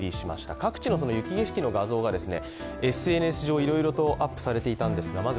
各地の雪景色の画像がＳＮＳ上いろいろとアップされていました。